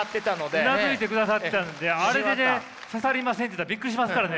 うなずいてくださってたのであれでね「刺さりません」って言ったらビックリしますからね。